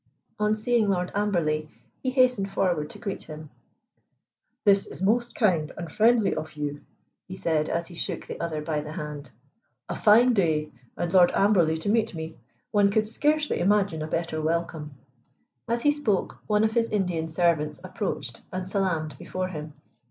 On seeing Lord Amberley he hastened forward to greet him. "This is most kind and friendly of you," he said, as he shook the other by the hand. "A fine day and Lord Amberley to meet me. One could scarcely imagine a better welcome." As he spoke, one of his Indian servants approached and salaamed before him.